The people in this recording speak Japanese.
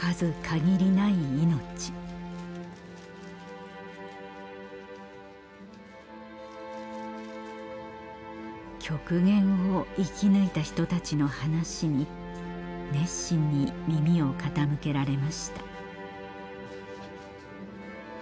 限りない命極限を生き抜いた人たちの話に熱心に耳を傾けられました